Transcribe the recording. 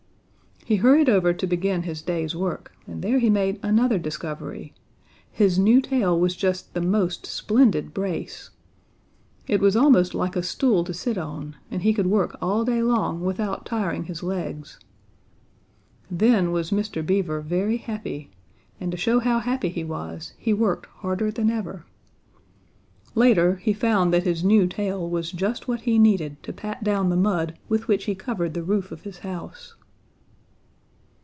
He hurried over to begin his day's work, and there he made another discovery; his new tail was just the most splendid brace! It was almost like a stool to sit on, and he could work all day long without tiring his legs. Then was Mr. Beaver very happy, and to show how happy he was, he worked harder than ever. Later, he found that his new tail was just what he needed to pat down the mud with which he covered the roof of his house.